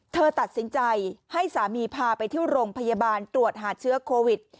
เธอตัดสินใจให้สามีพาไปที่โรงพยาบาลตรวจหาเชื้อโควิด